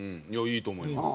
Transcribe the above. いいと思います。